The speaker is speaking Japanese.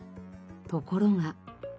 ところが。